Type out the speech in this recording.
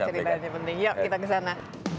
ya ceritanya penting yuk kita kesana